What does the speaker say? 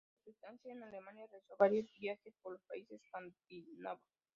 Durante su estancia en Alemania realizó varios viajes por los países escandinavos.